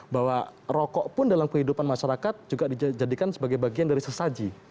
bahwa rokok pun dalam kehidupan masyarakat juga dijadikan sebagai bagian dari sesaji